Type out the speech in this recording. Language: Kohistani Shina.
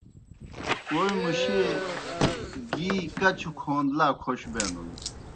کوئے مُشیئے گِی کچوْ کھون لا کھوش بینَن۔